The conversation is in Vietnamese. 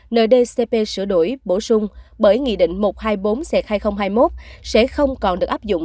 nợ dcp sửa đổi bổ sung bởi nghị định một trăm hai mươi bốn hai nghìn hai mươi một sẽ không còn được áp dụng